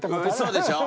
そうでしょ？